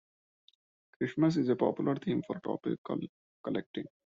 Christmas is a popular theme for topical collecting.